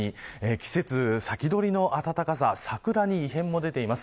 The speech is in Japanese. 季節先取りの暖かさ桜にも異変が出ています。